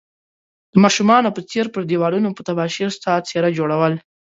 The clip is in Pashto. د ماشومانو په څير پر ديوالونو په تباشير ستا څيره جوړول